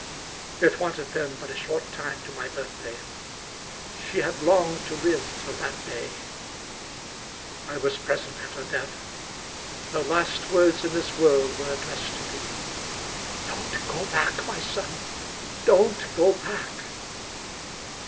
It wanted then but a short time to my birthday. She had longed to live till that day. I was present at her death. Her last words in this world were addressed to me. " Don't go back, my son — don't go back